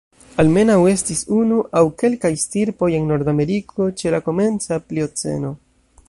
Almenaŭ estis unu aŭ kelkaj stirpoj en Nordameriko ĉe la komenca Plioceno.